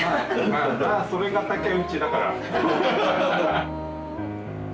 まあまあそれが竹内だから。